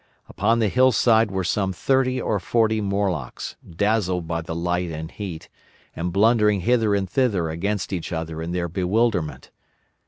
Upon the hillside were some thirty or forty Morlocks, dazzled by the light and heat, and blundering hither and thither against each other in their bewilderment.